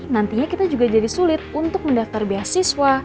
nantinya kita juga jadi sulit untuk mendaftar biaya siswa